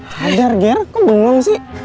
kager ger kok bengong sih